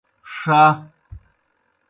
ݜہ۔